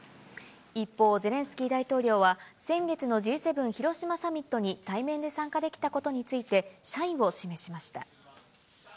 一方、ゼレンスキー大統領は先月のＧ７広島サミットに対面で参加できたことについて、謝意を示しました。